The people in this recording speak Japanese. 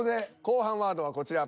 後半ワードはこちら。